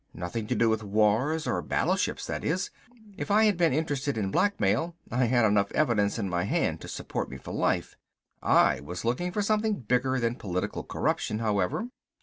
Nothing to do with wars or battleships that is. If I had been interested in blackmail I had enough evidence in my hand to support me for life. I was looking for something bigger than political corruption, however.